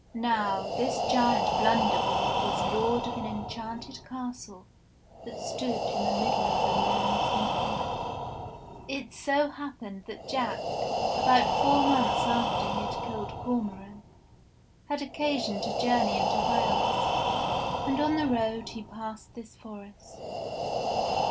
Now this giant Blunderbore was lord of an enchanted castle that stood in the middle of a lonesome forest. It so happened that Jack, about four months after he had killed Cormoran, had occasion to journey into Wales, and on the road he passed this forest.